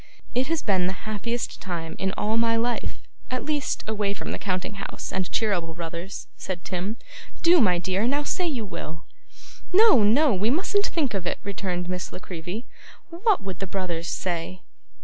'It has been the happiest time in all my life; at least, away from the counting house and Cheeryble Brothers,' said Tim. 'Do, my dear! Now say you will.' 'No, no, we mustn't think of it,' returned Miss La Creevy. 'What would the brothers say?